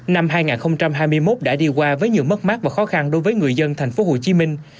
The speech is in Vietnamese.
năm hai nghìn hai mươi một đã đi qua với nhiều mất mát và khó khăn đối với người dân thành phố hồ chí minh